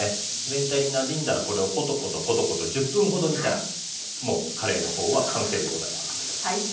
全体になじんだらこれをコトコトコトコト１０分ほど煮たらもうカレーのほうは完成でございます。